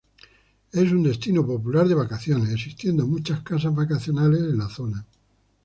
Es un destino popular de vacaciones, existiendo muchas casas vacacionales en la zona.